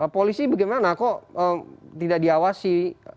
polisi bagaimana kok tidak diawasi